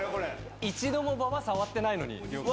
一度もババ触ってないのに亮君。